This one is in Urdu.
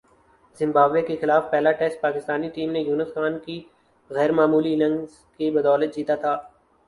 زمبابوے کے خلاف پہلا ٹیسٹ پاکستانی ٹیم نے یونس خان کی غیر معمولی اننگز کی بدولت جیتا تھا ۔